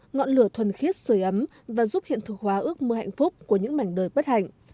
ngọn lửa thuần khiết sửa ấm và giúp hiện thực hóa ước mơ hạnh phúc của những mảnh đời bất hạnh